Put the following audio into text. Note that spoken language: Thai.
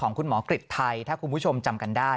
คุณหมอกฤษไทยถ้าคุณผู้ชมจำกันได้